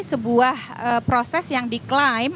sebuah proses yang di claim